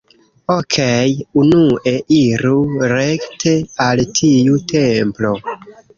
Okej. Unue, iru rekte al tiu templo.